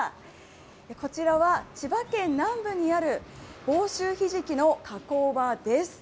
こちらは千葉県南部にある房州ひじきの加工場です。